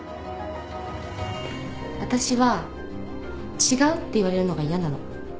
私は違うって言われるのが嫌なの。